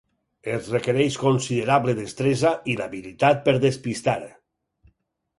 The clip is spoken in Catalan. Es requereix considerable destresa i l'habilitat per despistar.